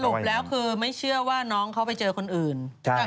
ปแล้วคือไม่เชื่อว่าน้องเขาไปเจอคนอื่น